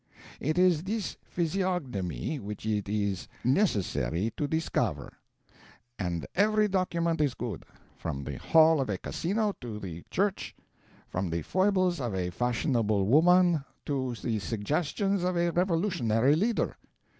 'It is this physiognomy which it is necessary to discover', and every document is good, from the hall of a casino to the church, from the foibles of a fashionable woman to the suggestions of a revolutionary leader.